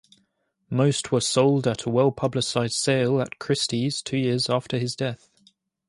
Most were sold at a well-publicized sale at Christie's two years after his death.